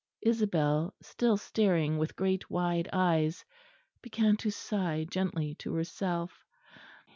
Isabel, still staring with great wide eyes, began to sigh gently to herself.